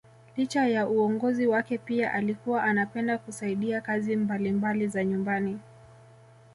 Licha ya uongozi wake pia alikuwa anapenda kusaidia kazi mbalimbali za nyumbani